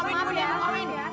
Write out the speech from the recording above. aduh udah deh